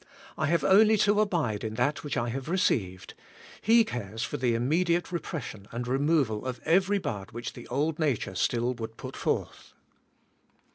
I have only to abide in that which I have received. He cares for the immediate repression and removal of every bud which the old nature still would put forth.'